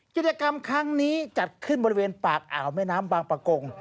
กิจกรรมครั้งนี้จัดขึ้นบริเวณปากอ่าวแม่น้ำบางประกง